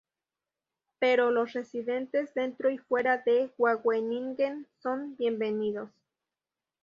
Pero los residentes dentro y fuera de Wageningen son bienvenidos.